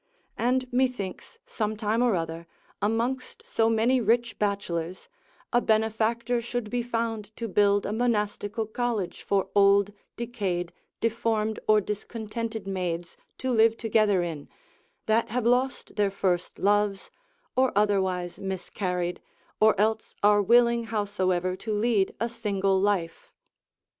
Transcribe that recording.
And methinks some time or other, amongst so many rich bachelors, a benefactor should be found to build a monastical college for old, decayed, deformed, or discontented maids to live together in, that have lost their first loves, or otherwise miscarried, or else are willing howsoever to lead a single life.